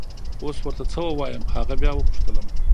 اوس ور ته څه ووایم! هغه بیا وپوښتلم.